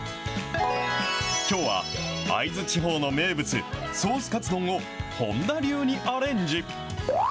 きょうは会津地方の名物、ソースカツ丼を本田流にアレンジ。